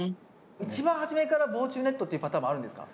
一番初めから防虫ネットっていうパターンもあるんですか？